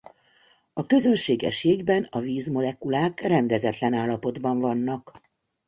A közönséges jégben a vízmolekulák rendezetlen állapotban vannak.